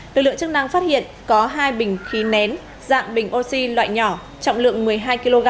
lực lượng chức năng phát hiện có hai bình khí nén dạng bình oxy loại nhỏ trọng lượng một mươi hai kg